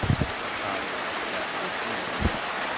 D taqerruyt n tɛekkwazt i yeɛewjen.